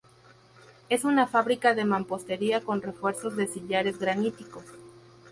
Es una fábrica de mampostería con refuerzo de sillares graníticos.